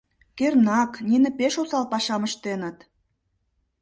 — Кернак, нине пеш осал пашам ыштеныт.